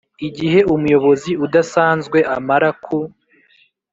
Igihe umuyobozi udasanzwe amara ku